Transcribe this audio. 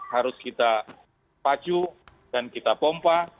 harus kita pacu dan kita pompa